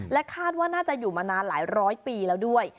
คาดว่าน่าจะอยู่มานานหลายร้อยปีแล้วด้วย